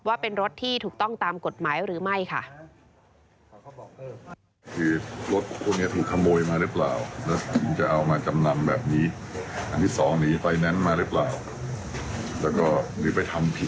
ว่าเป็นรถที่ถูกต้องตามกฎหมายหรือไม่ค่ะ